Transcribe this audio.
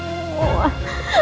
aku sudah berhenti